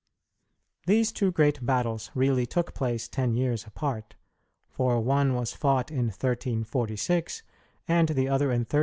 These two great battles really took place ten years apart; for one was fought in 1346 and the other in 1356.